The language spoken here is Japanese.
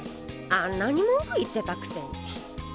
あんなに文句言ってたくせに。